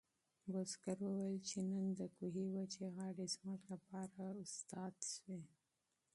بزګر وویل چې نن د کوهي وچې غاړې زموږ لپاره استاد شوې.